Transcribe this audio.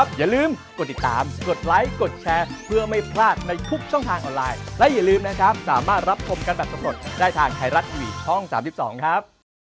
สามารถรับผมกันแบบสำหรับได้ทางไทยรัฐอีวีย์ช่อง๓๒ครับ